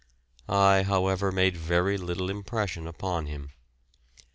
I, however, made very little impression upon him.